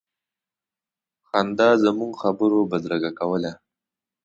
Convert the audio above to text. خندا زموږ خبرو بدرګه کوله.